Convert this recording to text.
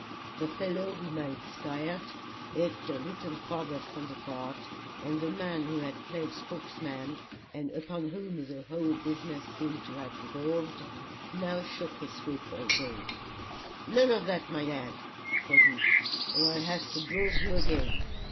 The fellow whom I had scared, edged a little farther from the cart, and the man who had played spokesman, and upon whom the whole business seemed to have devolved, now shook his whip again "None of that, my lad," said he, "or I'll have to bruise you again.